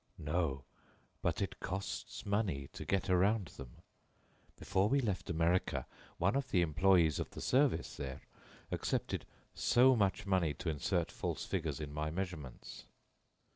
"No; but it costs money to get around them. Before we left America, one of the employees of the service there accepted so much money to insert false figures in my measurements.